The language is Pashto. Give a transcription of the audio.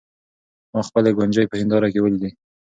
ما خپلې ګونځې په هېنداره کې وليدې.